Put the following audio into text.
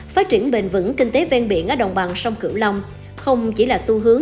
phát triển bền vững kinh tế ven biển ở đồng bằng sông cửu long không chỉ là xu hướng